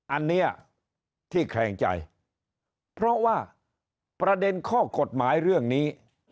อันนี้ที่แขลงใจเพราะว่าประเด็นข้อกฎหมายเรื่องนี้